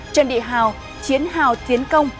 trận địa hào chiến hào tiến công